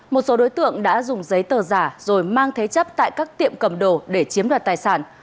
một số đối tượng đã dùng giấy tờ giả rồi mang thế chấp tại các tiệm cầm đồ để chiếm đoạt tài sản